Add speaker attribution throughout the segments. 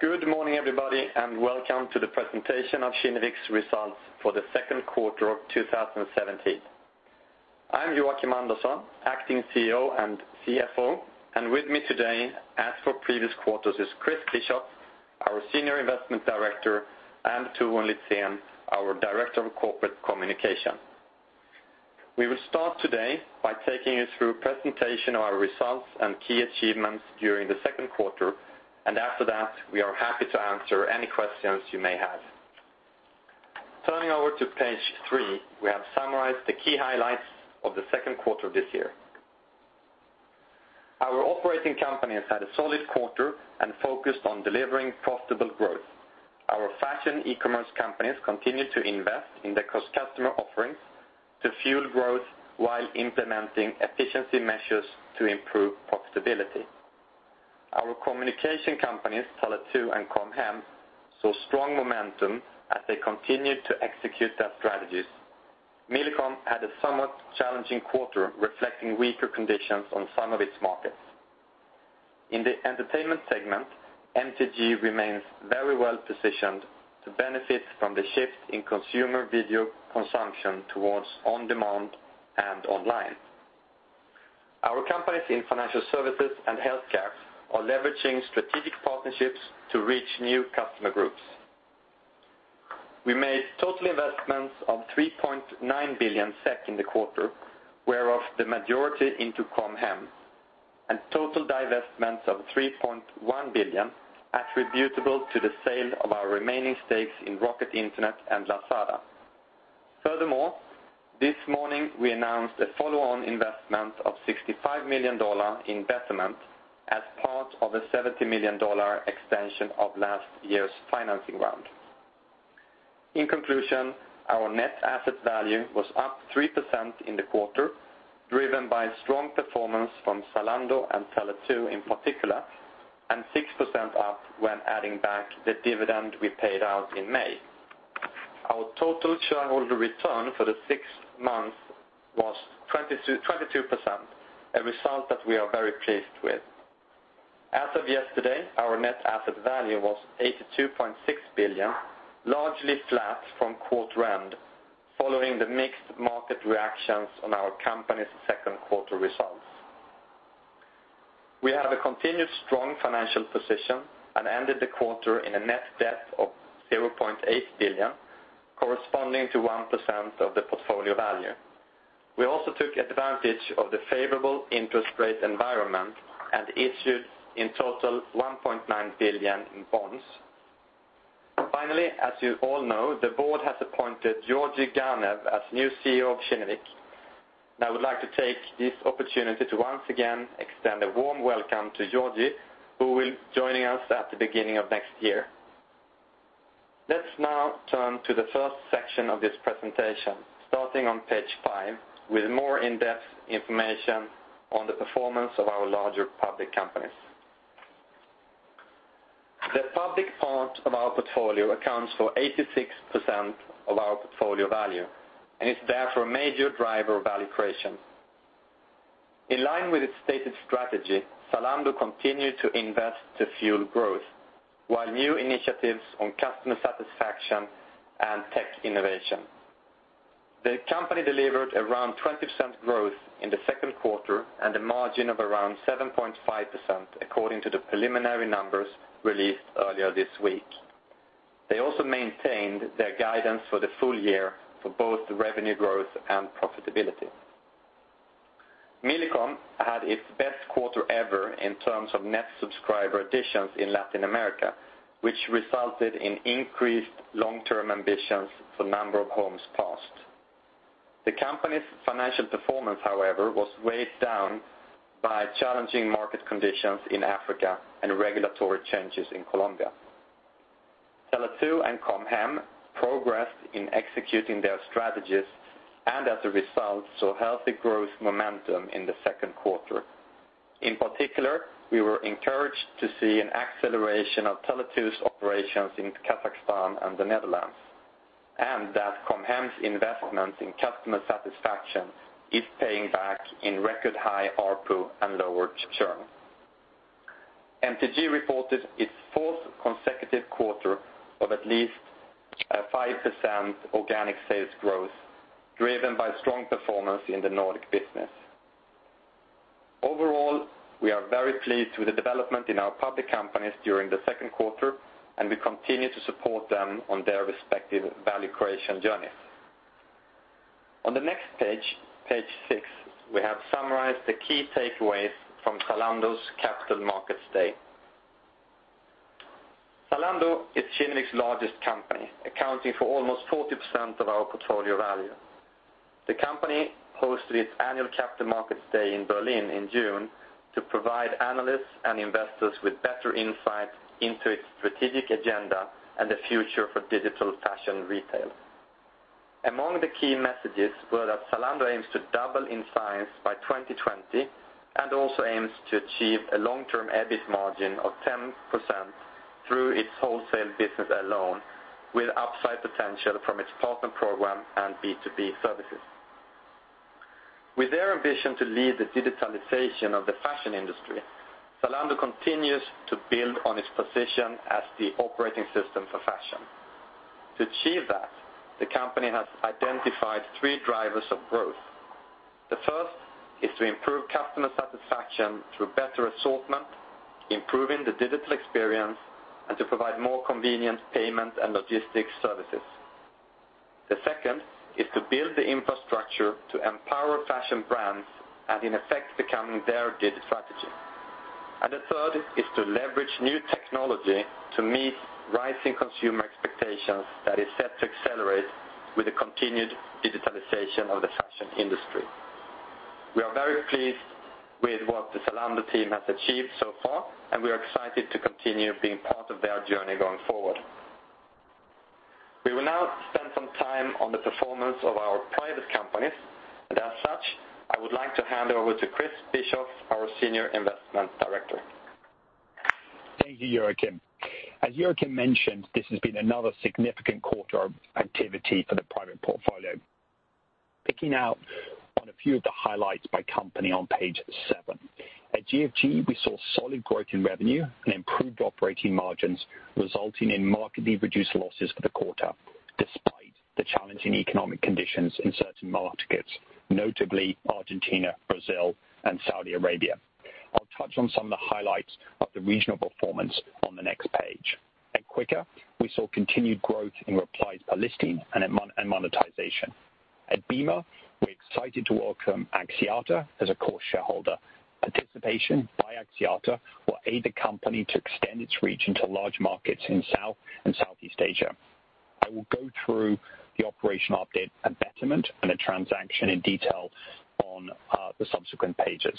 Speaker 1: Good morning, everybody, and welcome to the presentation of Kinnevik's results for the second quarter of 2017. I'm Joakim Andersson, acting CEO and CFO, and with me today, as for previous quarters, is Chris Bischoff, our senior investment director, and Torun Litzén, our director of corporate communication. We will start today by taking you through a presentation of our results and key achievements during the second quarter. After that, we are happy to answer any questions you may have. Turning over to page three, we have summarized the key highlights of the second quarter of this year. Our operating companies had a solid quarter and focused on delivering profitable growth. Our fashion e-commerce companies continued to invest in their customer offerings to fuel growth, while implementing efficiency measures to improve profitability. Our communication companies, Tele2 and Com Hem, saw strong momentum as they continued to execute their strategies. Millicom had a somewhat challenging quarter, reflecting weaker conditions on some of its markets. In the entertainment segment, MTG remains very well-positioned to benefit from the shift in consumer video consumption towards on-demand and online. Our companies in financial services and healthcare are leveraging strategic partnerships to reach new customer groups. We made total investments of 3.9 billion SEK in the quarter, whereof the majority into Com Hem, and total divestments of 3.1 billion, attributable to the sale of our remaining stakes in Rocket Internet and Lazada. Furthermore, this morning, we announced a follow-on investment of $65 million in Betterment as part of a $70 million extension of last year's financing round. In conclusion, our net asset value was up 3% in the quarter, driven by strong performance from Zalando and Tele2 in particular, and 6% up when adding back the dividend we paid out in May. Our total shareholder return for the six months was 22%, a result that we are very pleased with. As of yesterday, our net asset value was 82.6 billion, largely flat from quarter end, following the mixed market reactions on our company's second quarter results. We have a continued strong financial position and ended the quarter in a net debt of 0.8 billion, corresponding to 1% of the portfolio value. We also took advantage of the favorable interest rate environment and issued, in total, 1.9 billion in bonds. Finally, as you all know, the board has appointed Georgi Ganev as new CEO of Kinnevik. I would like to take this opportunity to once again extend a warm welcome to Georgi, who will be joining us at the beginning of next year. Let's now turn to the first section of this presentation, starting on page five, with more in-depth information on the performance of our larger public companies. The public part of our portfolio accounts for 86% of our portfolio value and is therefore a major driver of value creation. In line with its stated strategy, Zalando continued to invest to fuel growth, while new initiatives on customer satisfaction and tech innovation. The company delivered around 20% growth in the second quarter and a margin of around 7.5%, according to the preliminary numbers released earlier this week. They also maintained their guidance for the full year for both revenue growth and profitability. Millicom had its best quarter ever in terms of net subscriber additions in Latin America, which resulted in increased long-term ambitions for the number of homes passed. The company's financial performance, however, was weighed down by challenging market conditions in Africa and regulatory changes in Colombia. Tele2 and Com Hem progressed in executing their strategies, as a result, saw healthy growth momentum in the second quarter. In particular, we were encouraged to see an acceleration of Tele2's operations in Kazakhstan and the Netherlands, and that Com Hem's investment in customer satisfaction is paying back in record-high ARPU and lower churn. MTG reported its fourth consecutive quarter of at least a 5% organic sales growth, driven by strong performance in the Nordic business. Overall, we are very pleased with the development in our public companies during the second quarter, and we continue to support them on their respective value creation journeys. On the next page six, we have summarized the key takeaways from Zalando's Capital Markets Day. Zalando is Kinnevik's largest company, accounting for almost 40% of our portfolio value. The company hosted its annual Capital Markets Day in Berlin in June to provide analysts and investors with better insight into its strategic agenda and the future for digital fashion retail. Among the key messages were that Zalando aims to double in size by 2020 and also aims to achieve a long-term EBIT margin of 10% through its wholesale business alone, with upside potential from its partner program and B2B services. With their ambition to lead the digitalization of the fashion industry, Zalando continues to build on its position as the operating system for fashion. To achieve that, the company has identified three drivers of growth. The first is to improve customer satisfaction through better assortment, improving the digital experience, and to provide more convenient payment and logistics services. The second is to build the infrastructure to empower fashion brands, in effect, becoming their digital strategy. The third is to leverage new technology to meet rising consumer expectations that is set to accelerate with the continued digitalization of the fashion industry. We are very pleased with what the Zalando team has achieved so far, and we are excited to continue being part of their journey going forward. We will now spend some time on the performance of our private companies, and as such, I would like to hand over to Chris Bischoff, our Senior Investment Director.
Speaker 2: Thank you, Joakim. As Joakim mentioned, this has been another significant quarter of activity for the private portfolio. Picking out on a few of the highlights by company on page seven. At GFG, we saw solid growth in revenue and improved operating margins, resulting in markedly reduced losses for the quarter, despite the challenging economic conditions in certain markets, notably Argentina, Brazil, and Saudi Arabia. I will touch on some of the highlights of the regional performance on the next page. At Quikr, we saw continued growth in replies per listing and monetization. At Bima, we are excited to welcome Axiata as a core shareholder. Participation by Axiata will aid the company to extend its reach into large markets in South and Southeast Asia. I will go through the operational update at Betterment and the transaction in detail on the subsequent pages.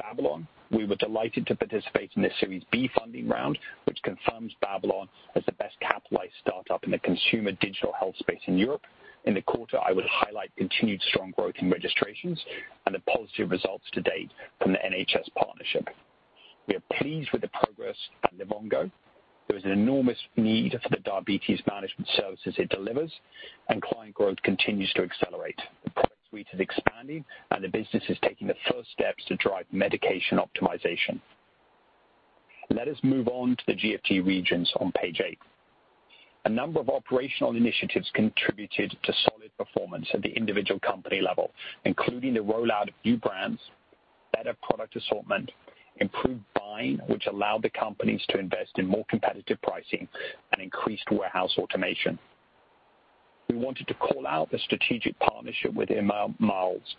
Speaker 2: At Babylon, we were delighted to participate in their Series B funding round, which confirms Babylon as the best-capitalized startup in the consumer digital health space in Europe. In the quarter, I would highlight continued strong growth in registrations and the positive results to date from the NHS partnership. We are pleased with the progress at Livongo. There is an enormous need for the diabetes management services it delivers, and client growth continues to accelerate. The product suite is expanding, and the business is taking the first steps to drive medication optimization. Let us move on to the GFG regions on page eight. A number of operational initiatives contributed to solid performance at the individual company level, including the rollout of new brands, better product assortment, improved buying, which allowed the companies to invest in more competitive pricing and increased warehouse automation. We wanted to call out the strategic partnership with Emaar Malls.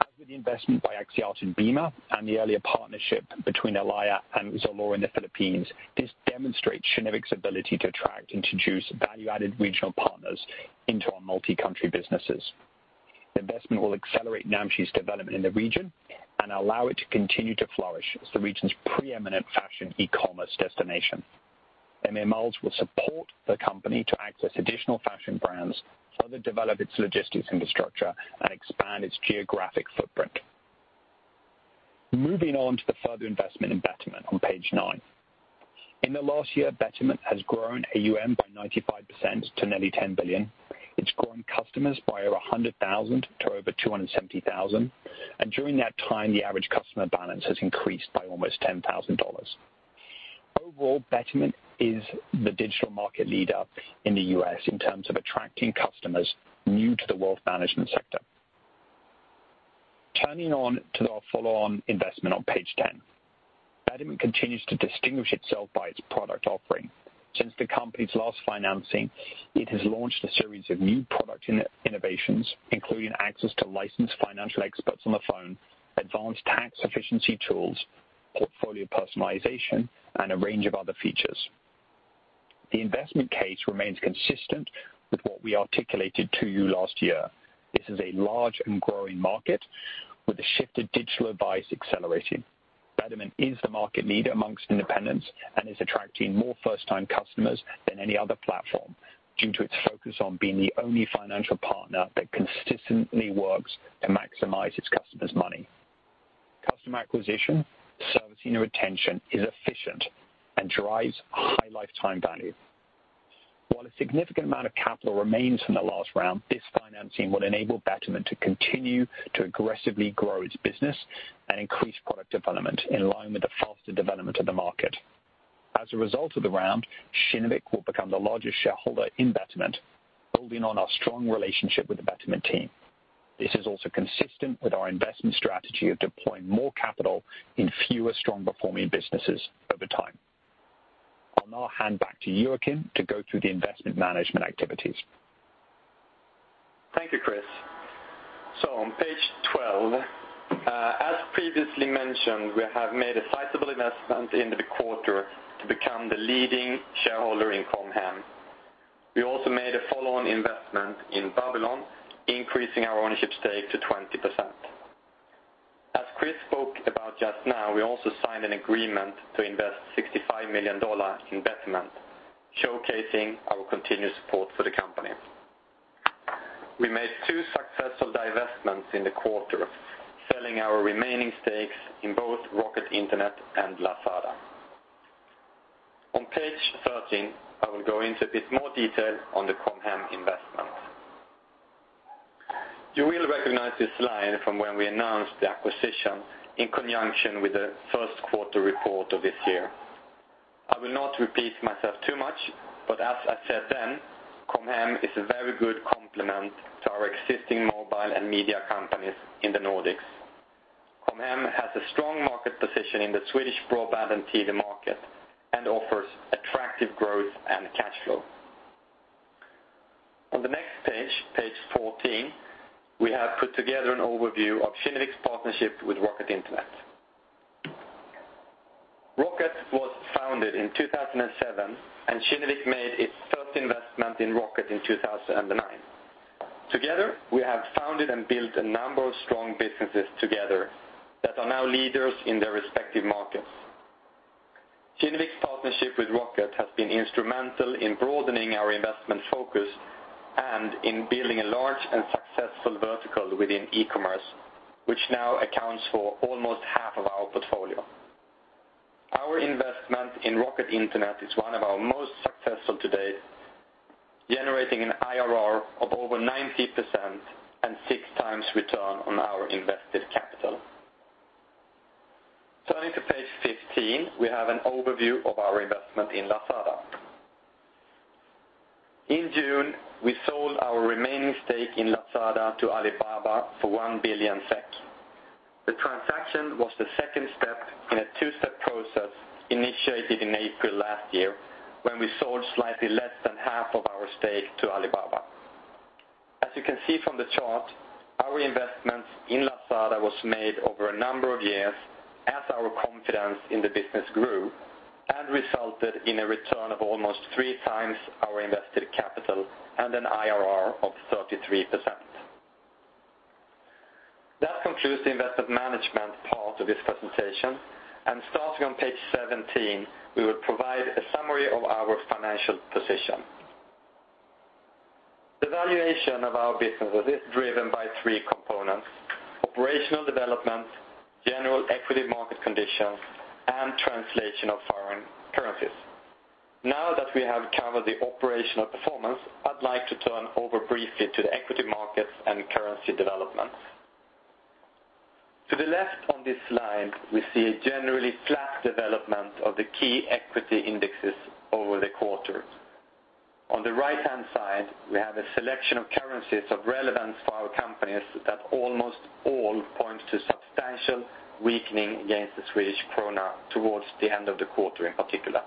Speaker 2: As with the investment by Axiata in Bima and the earlier partnership between Ayala and Zalora in the Philippines, this demonstrates Kinnevik's ability to attract, introduce value-added regional partners into our multi-country businesses. Investment will accelerate Namshi's development in the region and allow it to continue to flourish as the region's preeminent fashion e-commerce destination. Emaar Malls will support the company to access additional fashion brands, further develop its logistics infrastructure, and expand its geographic footprint. Moving on to the further investment in Betterment on page nine. In the last year, Betterment has grown AUM by 95% to nearly $10 billion. It's grown customers by over 100,000 to over 270,000. During that time, the average customer balance has increased by almost $10,000. Overall, Betterment is the digital market leader in the U.S. in terms of attracting customers new to the wealth management sector. Turning on to our follow-on investment on page 10. Betterment continues to distinguish itself by its product offering. Since the company's last financing, it has launched a series of new product innovations, including access to licensed financial experts on the phone, advanced tax efficiency tools, portfolio personalization, and a range of other features. The investment case remains consistent with what we articulated to you last year. This is a large and growing market with a shift to digital advice accelerating. Betterment is the market leader amongst independents and is attracting more first-time customers than any other platform due to its focus on being the only financial partner that consistently works to maximize its customers' money. Customer acquisition, servicing, and retention is efficient and drives high lifetime value. While a significant amount of capital remains from the last round, this financing will enable Betterment to continue to aggressively grow its business and increase product development in line with the faster development of the market. As a result of the round, Kinnevik will become the largest shareholder in Betterment, building on our strong relationship with the Betterment team. This is also consistent with our investment strategy of deploying more capital in fewer strong-performing businesses over time. I'll now hand back to Joakim to go through the investment management activities.
Speaker 1: Thank you, Chris. On page 12, as previously mentioned, we have made a sizable investment in the quarter to become the leading shareholder in Com Hem. We also made a follow-on investment in Babylon, increasing our ownership stake to 20%. As Chris spoke about just now, we also signed an agreement to invest $65 million in Betterment, showcasing our continued support for the company. We made two successful divestments in the quarter, selling our remaining stakes in both Rocket Internet and Lazada. On page 13, I will go into a bit more detail on the Com Hem investment. You will recognize this slide from when we announced the acquisition in conjunction with the first quarter report of this year. I will not repeat myself too much, but as I said then, Com Hem is a very good complement to our existing mobile and media companies in the Nordics. Com Hem has a strong market position in the Swedish broadband and TV market and offers attractive growth and cash flow. On the next page 14, we have put together an overview of Kinnevik's partnership with Rocket Internet. Rocket was founded in 2007, and Kinnevik made its first investment in Rocket in 2009. Together, we have founded and built a number of strong businesses together that are now leaders in their respective markets. Kinnevik's partnership with Rocket has been instrumental in broadening our investment focus and in building a large and successful vertical within e-commerce, which now accounts for almost half of our portfolio. Our investment in Rocket Internet is one of our most successful to date, generating an IRR of over 90% and six times return on our invested capital. Turning to page 15, we have an overview of our investment in Lazada. In June, we sold our remaining stake in Lazada to Alibaba for 1 billion SEK. The transaction was the second step in a two-step process initiated in April last year, when we sold slightly less than half of our stake to Alibaba. As you can see from the chart, our investments in Lazada was made over a number of years as our confidence in the business grew and resulted in a return of almost three times our invested capital and an IRR of 33%. That concludes the invested management part of this presentation. Starting on page 17, we will provide a summary of our financial position. The valuation of our businesses is driven by three components: operational development, general equity market conditions, and translation of foreign currencies. Now that we have covered the operational performance, I'd like to turn over briefly to the equity markets and currency developments. To the left on this slide, we see a generally flat development of the key equity indexes over the quarter. On the right-hand side, we have a selection of currencies of relevance for our companies that almost all point to substantial weakening against the Swedish krona towards the end of the quarter in particular.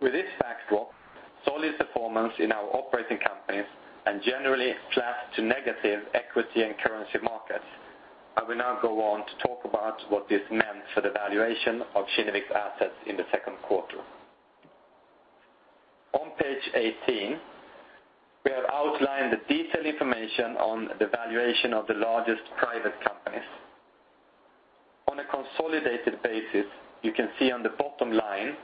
Speaker 1: With this backdrop, solid performance in our operating companies and generally flat to negative equity and currency markets, I will now go on to talk about what this meant for the valuation of Kinnevik's assets in the second quarter. On page 18, we have outlined the detailed information on the valuation of the largest private companies. On a consolidated basis, you can see on the bottom line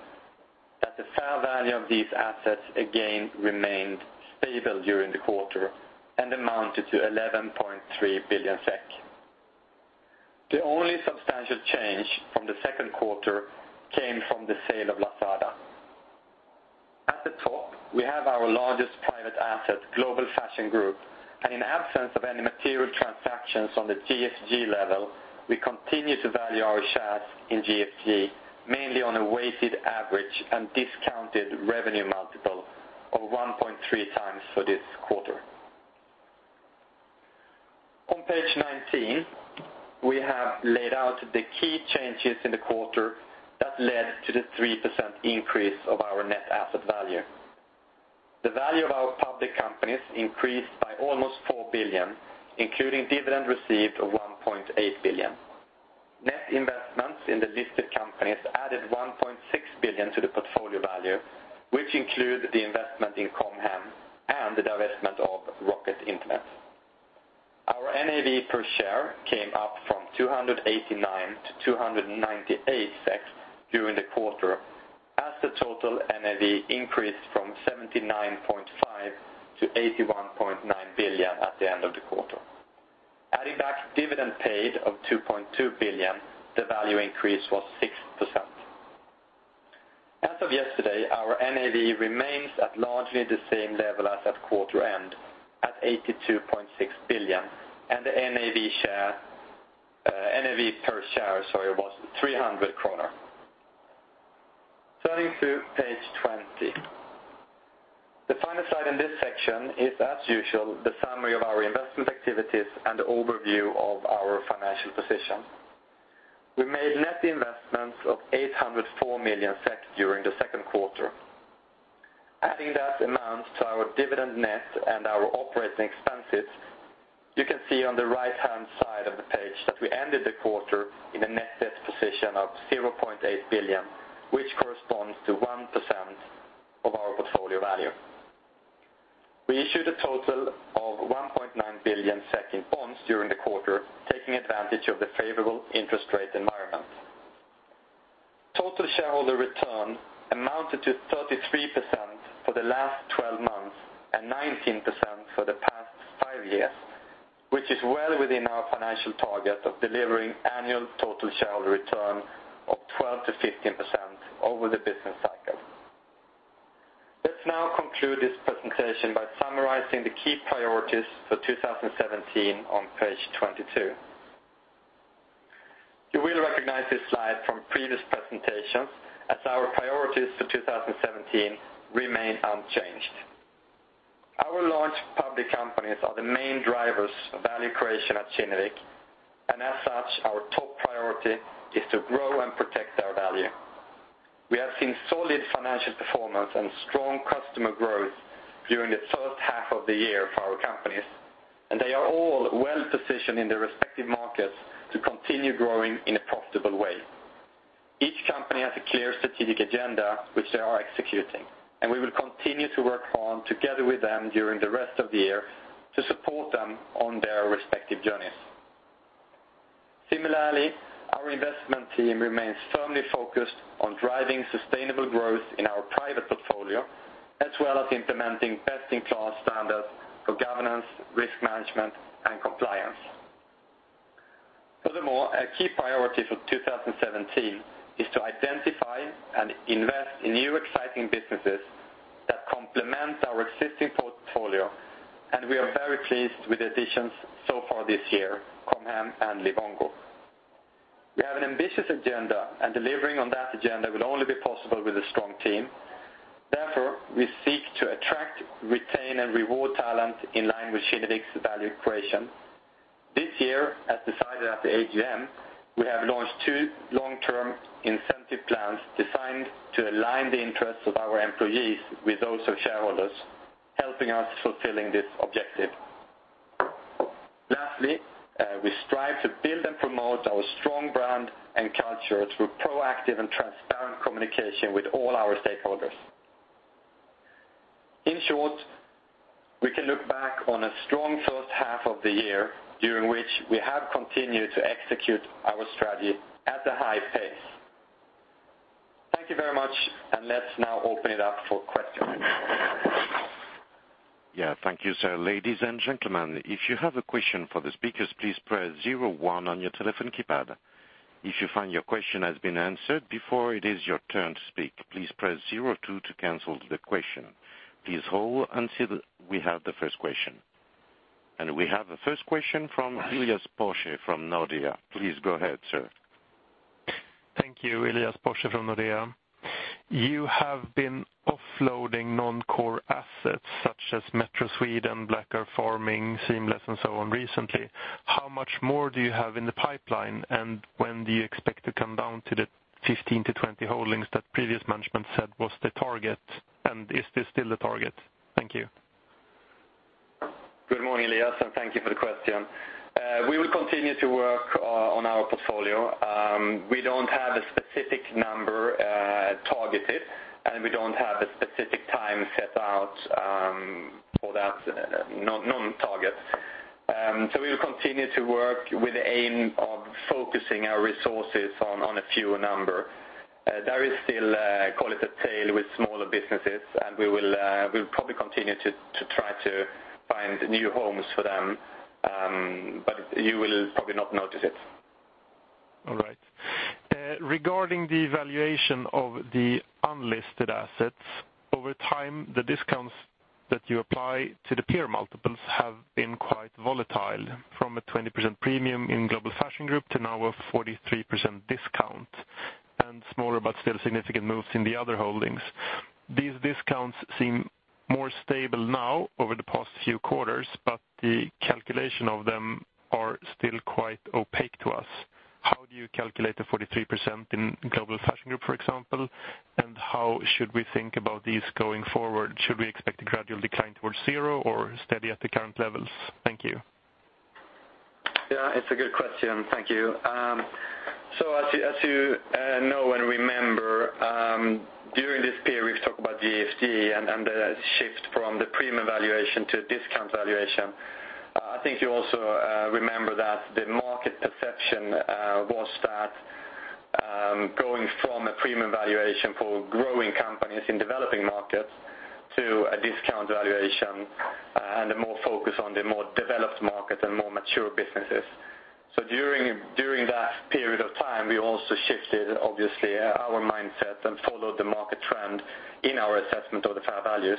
Speaker 1: that the fair value of these assets again remained stable during the quarter and amounted to 11.3 billion SEK. The only substantial change from the second quarter came from the sale of Lazada. At the top, we have our largest private asset, Global Fashion Group, and in absence of any material transactions on the GFG level, we continue to value our shares in GFG, mainly on a weighted average and discounted revenue multiple of 1.3 times for this quarter. On page 19, we have laid out the key changes in the quarter that led to the 3% increase of our net asset value. The value of our public companies increased by almost 4 billion, including dividend received of 1.8 billion. Net investments in the listed companies added 1.6 billion to the portfolio value, which include the investment in Com Hem and the divestment of Rocket Internet. Our NAV per share came up from 289 to 298 during the quarter as the total NAV increased from 79.5 billion to 81.9 billion at the end of the quarter. Adding back dividend paid of 2.2 billion, the value increase was 6%. As of yesterday, our NAV remains at largely the same level as at quarter end at 82.6 billion, and the NAV per share was 300 kronor. Turning to page 20. The final slide in this section is, as usual, the summary of our investment activities and overview of our financial position. We made net investments of 804 million SEK during the second quarter. Adding that amount to our dividend net and our operating expenses, you can see on the right-hand side of the page that we ended the quarter in a net debt position of 0.8 billion, which corresponds to 1% of our portfolio value. We issued a total of 1.9 billion in bonds during the quarter, taking advantage of the favorable interest rate environment. Total shareholder return amounted to 33% for the last 12 months and 19% for the past five years. Which is well within our financial target of delivering annual total shareholder return of 12%-15% over the business cycle. Let's now conclude this presentation by summarizing the key priorities for 2017 on page 22. You will recognize this slide from previous presentations as our priorities for 2017 remain unchanged. Our launch public companies are the main drivers of value creation at Kinnevik, and as such, our top priority is to grow and protect our value. We have seen solid financial performance and strong customer growth during the first half of the year for our companies, and they are all well-positioned in their respective markets to continue growing in a profitable way. Each company has a clear strategic agenda, which they are executing, and we will continue to work on together with them during the rest of the year to support them on their respective journeys. Similarly, our investment team remains firmly focused on driving sustainable growth in our private portfolio, as well as implementing best-in-class standards for governance, risk management, and compliance. Furthermore, a key priority for 2017 is to identify and invest in new, exciting businesses that complement our existing portfolio, and we are very pleased with the additions so far this year, Com Hem and Livongo. We have an ambitious agenda, and delivering on that agenda will only be possible with a strong team. Therefore, we seek to attract, retain, and reward talent in line with Kinnevik's value creation. This year, as decided at the AGM, we have launched two long-term incentive plans designed to align the interests of our employees with those of shareholders, helping us fulfilling this objective. Lastly, we strive to build and promote our strong brand and culture through proactive and transparent communication with all our stakeholders. In short, we can look back on a strong first half of the year, during which we have continued to execute our strategy at a high pace. Thank you very much, and let's now open it up for questions.
Speaker 3: Yeah, thank you, sir. Ladies and gentlemen, if you have a question for the speakers, please press 01 on your telephone keypad. If you find your question has been answered before it is your turn to speak, please press 02 to cancel the question. Please hold until we have the first question. We have the first question from Elias Pöyhönen from Nordea. Please go ahead, sir.
Speaker 4: Thank you. Elias Pöyhönen from Nordea. You have been offloading non-core assets such as Metro Sweden, Black Earth Farming, Seamless, and so on recently. How much more do you have in the pipeline, and when do you expect to come down to the 15-20 holdings that previous management said was the target? Is this still the target? Thank you.
Speaker 1: Good morning, Elias, and thank you for the question. We will continue to work on our portfolio. We don't have a specific number targeted, and we don't have a specific time set out for that non-target. We'll continue to work with the aim of focusing our resources on a fewer number. There is still a, call it a tail with smaller businesses, and we will probably continue to try to find new homes for them, but you will probably not notice it.
Speaker 4: All right. Regarding the valuation of the unlisted assets, over time, the discounts that you apply to the peer multiples have been quite volatile, from a 20% premium in Global Fashion Group to now a 43% discount, and smaller but still significant moves in the other holdings. These discounts seem more stable now over the past few quarters, but the calculation of them are still quite opaque to us. How do you calculate the 43% in Global Fashion Group, for example, and how should we think about these going forward? Should we expect a gradual decline towards zero or steady at the current levels? Thank you.
Speaker 1: Yeah, it's a good question. Thank you. As you know and remember, during this period, we've talked about GFG and the shift from the premium valuation to a discount valuation. I think you also remember that the market perception was that going from a premium valuation for growing companies in developing markets to a discount valuation and a more focus on the more developed markets and more mature businesses. During that period of time, we also shifted, obviously, our mindset and followed the market trend in our assessment of the fair values.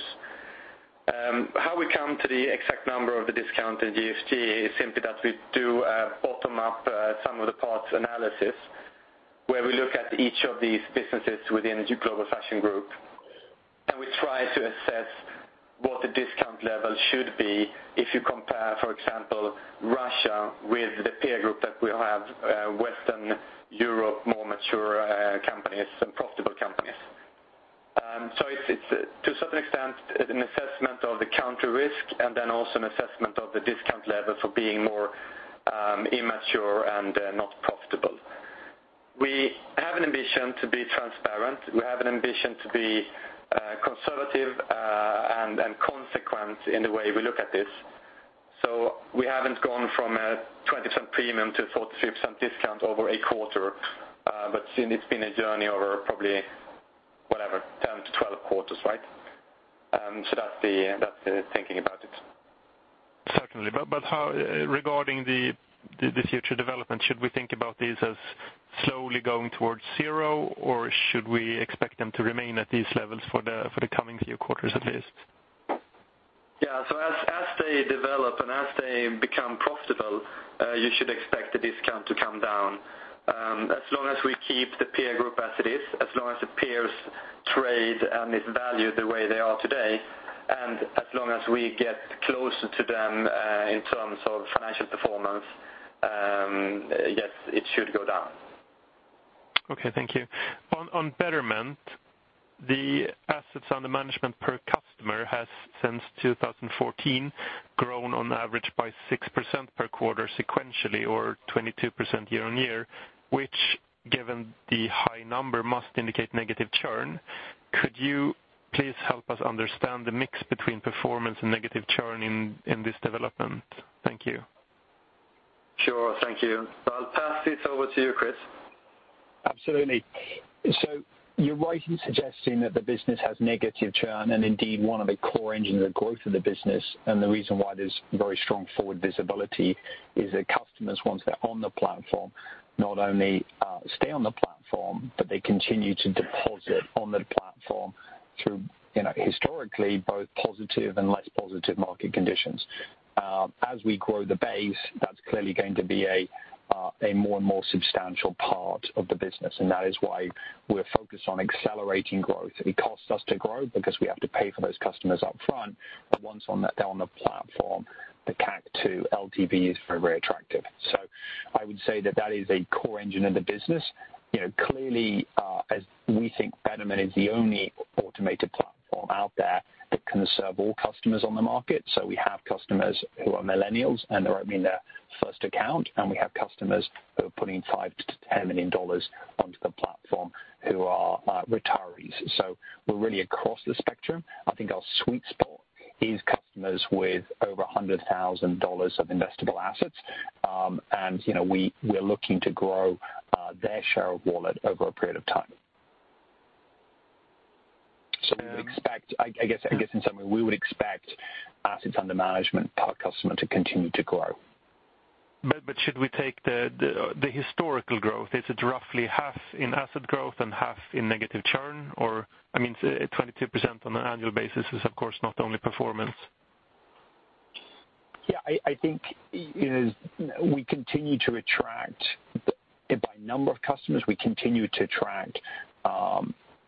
Speaker 1: How we come to the exact number of the discount in GFG is simply that we do a bottom-up sum of the parts analysis, where we look at each of these businesses within Global Fashion Group, and we try to assess what the discount level should be if you compare, for example, Russia with the peer group that we have, Western Europe, more mature companies and profitable companies. It's to a certain extent, an assessment of the country risk and then also an assessment of the discount level for being more immature and not profitable. We have an ambition to be transparent. We have an ambition to be conservative and consequent in the way we look at this. We haven't gone from a 20% premium to 40%, 50% discount over a quarter, but it's been a journey over probably quarters, right? That's the thinking about it.
Speaker 4: Certainly. Regarding the future development, should we think about these as slowly going towards zero, or should we expect them to remain at these levels for the coming few quarters at least?
Speaker 1: Yeah. As they develop and as they become profitable, you should expect the discount to come down. As long as we keep the peer group as it is, as long as the peers trade and is valued the way they are today, and as long as we get closer to them, in terms of financial performance, yes, it should go down.
Speaker 4: Okay, thank you. On Betterment, the assets under management per customer has since 2014 grown on average by 6% per quarter sequentially or 22% year-over-year, which given the high number must indicate negative churn. Could you please help us understand the mix between performance and negative churn in this development? Thank you.
Speaker 1: Sure. Thank you. I'll pass it over to you, Chris.
Speaker 2: Absolutely. You're right in suggesting that the business has negative churn, and indeed one of the core engines of growth of the business, and the reason why there's very strong forward visibility is that customers, once they're on the platform, not only stay on the platform, but they continue to deposit on the platform through historically both positive and less positive market conditions. As we grow the base, that's clearly going to be a more and more substantial part of the business, and that is why we're focused on accelerating growth. It costs us to grow because we have to pay for those customers up front, but once they're on the platform, the CAC to LTV is very attractive. I would say that that is a core engine of the business. As we think Betterment is the only automated platform out there that can serve all customers on the market. We have customers who are millennials, and they're opening their first account, and we have customers who are putting $5 million-$10 million onto the platform who are retirees. We're really across the spectrum. I think our sweet spot is customers with over $100,000 of investable assets, and we are looking to grow their share of wallet over a period of time. I guess in summary, we would expect assets under management per customer to continue to grow.
Speaker 4: Should we take the historical growth? Is it roughly half in asset growth and half in negative churn? I mean, 22% on an annual basis is, of course, not only performance.
Speaker 2: Yeah, I think we continue to attract by number of customers. We continue to attract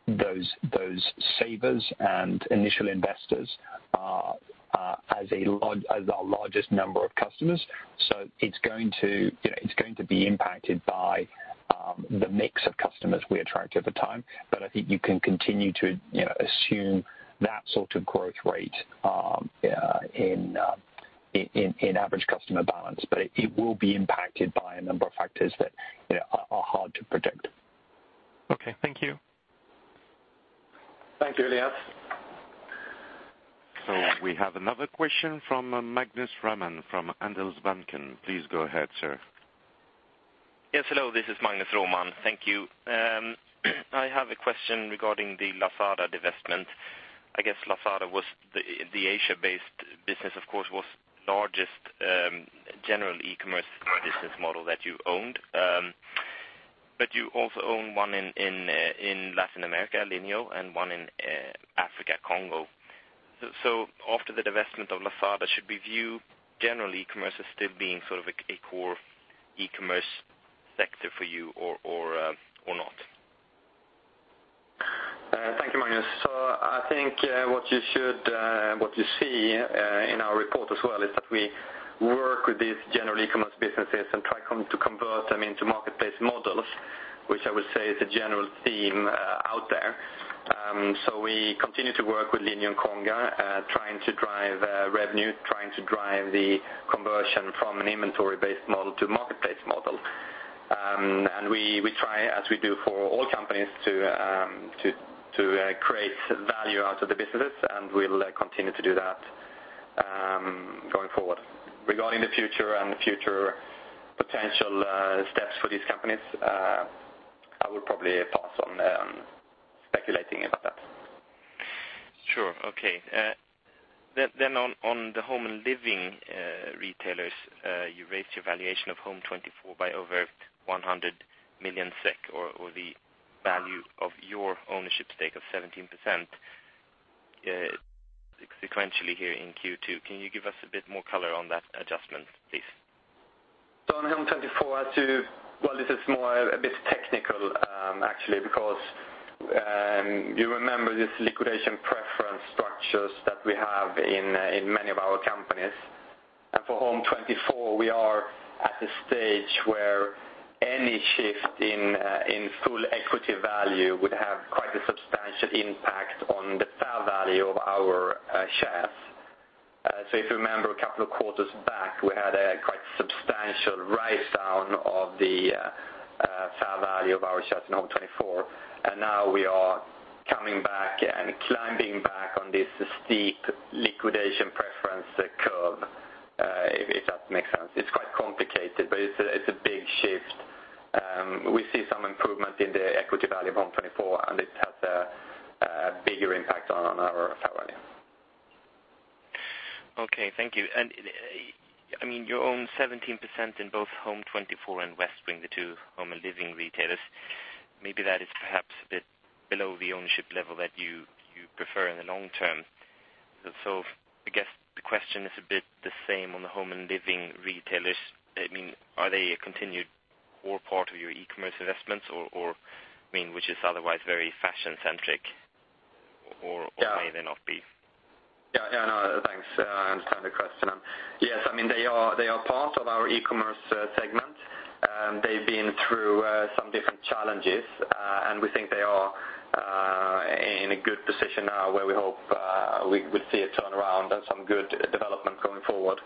Speaker 2: those savers and initial investors as our largest number of customers. It's going to be impacted by the mix of customers we attract over time. I think you can continue to assume that sort of growth rate in average customer balance. It will be impacted by a number of factors that are hard to predict.
Speaker 4: Okay, thank you.
Speaker 1: Thank you, Elias.
Speaker 3: We have another question from Magnus Roman from Handelsbanken. Please go ahead, sir.
Speaker 5: Yes, hello, this is Magnus Roman. Thank you. I have a question regarding the Lazada divestment. I guess Lazada, the Asia-based business, of course, was largest general e-commerce business model that you owned. You also own one in Latin America, Linio, and one in Africa, Konga. After the divestment of Lazada, should we view general e-commerce as still being sort of a core e-commerce sector for you or not?
Speaker 1: Thank you, Magnus. I think what you see in our report as well, is that we work with these general e-commerce businesses and try to convert them into marketplace models, which I would say is a general theme out there. We continue to work with Linio and Konga, trying to drive revenue, trying to drive the conversion from an inventory-based model to a marketplace model. We try, as we do for all companies, to create value out of the businesses, and we will continue to do that going forward. Regarding the future and the future potential steps for these companies, I will probably pass on speculating about that.
Speaker 5: Sure. Okay. On the home and living retailers, you raised your valuation of Home24 by over 100 million SEK or the value of your ownership stake of 17% sequentially here in Q2. Can you give us a bit more color on that adjustment, please?
Speaker 1: On Home24, well, this is a bit technical actually, because you remember this liquidation preference structures that we have in many of our companies. For Home24, we are at a stage where any shift in full equity value would have quite a substantial impact on the fair value of our shares. If you remember a couple of quarters back, we had a quite substantial write-down of the fair value of our shares in Home24, and now we are coming back and climbing back on this steep liquidation preference curve, if that makes sense. See some improvement in the equity value of Home24, and it has a bigger impact on our fair value.
Speaker 5: Okay, thank you. You own 17% in both Home24 and Westwing, the two home and living retailers. Maybe that is perhaps a bit below the ownership level that you prefer in the long term. I guess the question is a bit the same on the home and living retailers. Are they a continued core part of your e-commerce investments, which is otherwise very fashion-centric, or may they not be?
Speaker 1: Yeah, no, thanks. I understand the question. Yes, they are part of our e-commerce segment. They've been through some different challenges, and we think they are in a good position now where we hope we would see a turnaround and some good development going forward.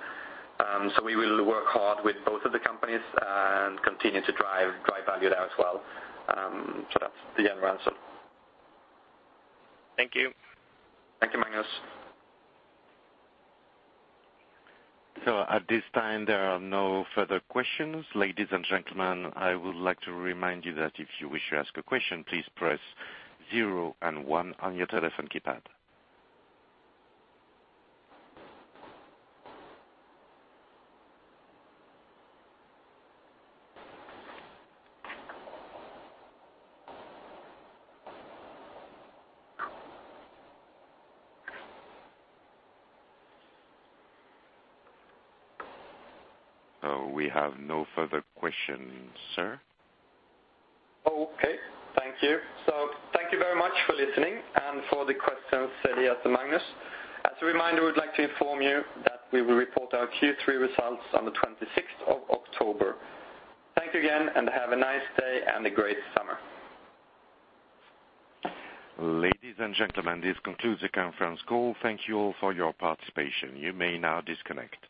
Speaker 1: We will work hard with both of the companies and continue to drive value there as well. That's the general answer.
Speaker 5: Thank you.
Speaker 1: Thank you, Magnus.
Speaker 3: At this time, there are no further questions. Ladies and gentlemen, I would like to remind you that if you wish to ask a question, please press zero and one on your telephone keypad. We have no further questions, sir.
Speaker 1: Okay, thank you. Thank you very much for listening and for the questions, Elias and Magnus. As a reminder, we'd like to inform you that we will report our Q3 results on the 26th of October. Thank you again, and have a nice day and a great summer.
Speaker 3: Ladies and gentlemen, this concludes the conference call. Thank you all for your participation. You may now disconnect.